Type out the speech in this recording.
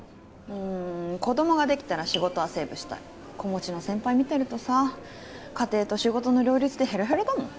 うん子供ができたら仕事はセーブしたい子持ちの先輩見てるとさ家庭と仕事の両立でヘロヘロだもん